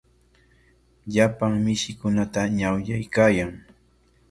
Llapan mishikunata ñawyaykaayan.